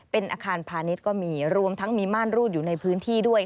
เป็นอาคารพาณิชย์ก็มีรวมทั้งมีม่านรูดอยู่ในพื้นที่ด้วย